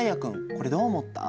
これどう思った？